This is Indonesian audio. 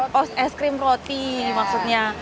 iya aku mau pesen roti es krim roti maksudnya